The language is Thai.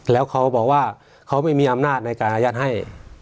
แล้วเขาบอกว่าเขาไม่มีอำนาจในการอายัดให้